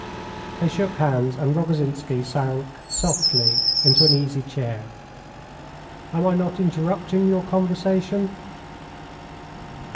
They shook hands, and Rogozhinsky sank softly into an easy chair. "Am I not interrupting your conversation?"